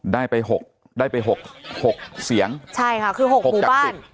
ได้ไปหกได้ไปหกหกเสียงใช่ค่ะคือหกหมู่บ้าน